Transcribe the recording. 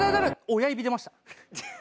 親指出ました。